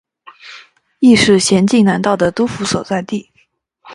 亦是咸镜南道的道府所在地。